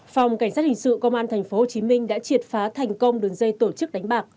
phòng cảnh sát hình sự công an tp hcm đã triệt phá thành công đường dây tổ chức đánh bạc